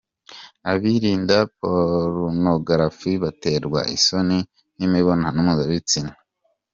Abirinda porunogarafi baterwa isoni n’imibonano mpuzabitsina.